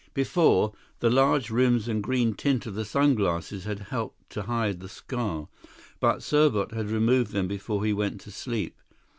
Before, the large rims and green tint of the sun glasses had helped to hide the scar; but Serbot had removed them before he went to sleep.